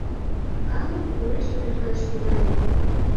Калык уэш рӱжгаш тӱҥале.